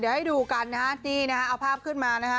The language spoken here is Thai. เดี๋ยวให้ดูกันนะครับนี่เอาภาพขึ้นมา